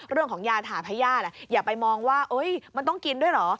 เรื่องของยาถาพญาติอย่าไปมองว่ามันต้องกินด้วยเหรอ